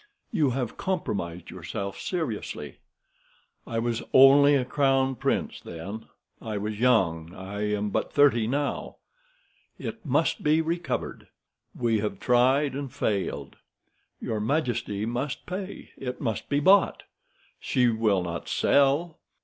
"You have compromised yourself seriously." "I was only crown prince then. I was young. I am but thirty now." "It must be recovered." "We have tried and failed." "Your majesty must pay. It must be bought." "She will not sell."